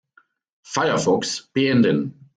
Firefox beenden.